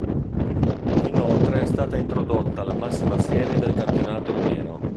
Inoltre è stata introdotta la massima serie del campionato rumeno.